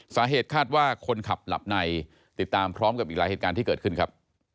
สาเหตุคาดว่าคนขับหลับในติดตามพร้อมกับอีกหลายเหตุการณ์ที่เกิดขึ้นครับ